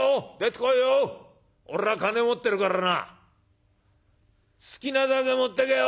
俺は金持ってるからな好きなだけ持ってけよ。